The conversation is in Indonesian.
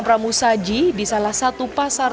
pramu saji di salah satu pasar